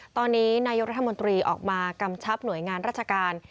ตอนนี้นายกรัฐมนตรีออกมากำชับหน่วยงานราชการ